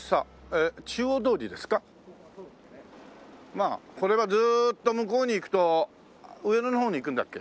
まあこれはずーっと向こうに行くと上野のほうに行くんだっけ？